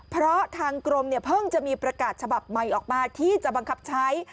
เพราะทางกรมเนี่ยเพิ่งจะมีประกาศฉบับใหม่ออกมาที่จะบังคับใช้